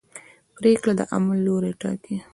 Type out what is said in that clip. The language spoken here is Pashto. پرېکړه د عمل لوری ټاکي.